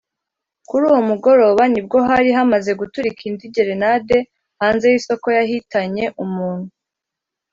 Kuri uwo mugoroba ni bwo hari hamaze guturika indi gerenade hanze y’isoko yahitanye umuntu